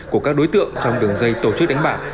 của các đối tượng trong đường dây tổ chức đánh bạc